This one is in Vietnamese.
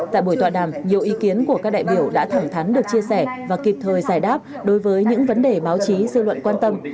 tại buổi tọa đàm nhiều ý kiến của các đại biểu đã thẳng thắn được chia sẻ và kịp thời giải đáp đối với những vấn đề báo chí dư luận quan tâm